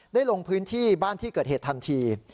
ลงพื้นที่บ้านที่เกิดเหตุทันที